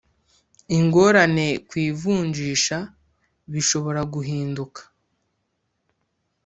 ingorane ku ivunjisha bishobora guhinduka